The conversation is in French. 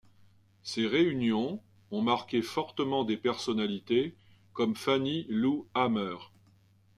Ces réunions ont marqué fortement des personnalités comme Fannie Lou Hamer.